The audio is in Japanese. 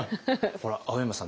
ほら青山さん